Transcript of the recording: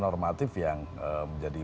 normatif yang menjadi